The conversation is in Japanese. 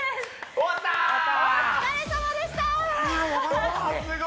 お疲れさまでしたうわ